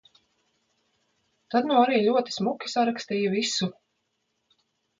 Tad nu arī ļoti smuki sarakstīja visu.